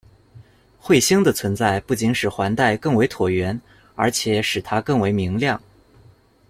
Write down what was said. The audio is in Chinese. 彗星的存在不仅使环带更为椭圆，而且使它更为明亮。